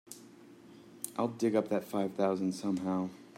I'll dig up that five thousand somehow.